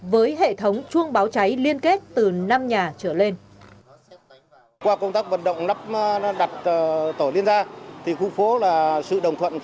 với hệ thống chuông báo cháy liên kết từ năm nhà trở lên